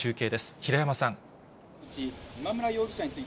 平山さん。